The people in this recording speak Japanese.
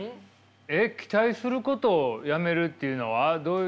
えっ期待することをやめるというのはどういうことですか？